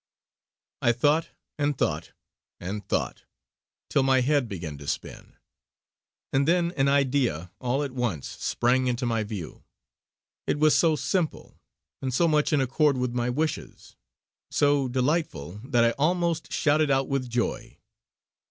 I thought, and thought, and thought till my head began to spin; and then an idea all at once sprang into my view. It was so simple, and so much in accord with my wishes; so delightful, that I almost shouted out with joy.